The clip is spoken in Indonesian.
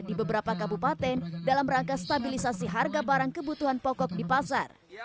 di beberapa kabupaten dalam rangka stabilisasi harga barang kebutuhan pokok di pasar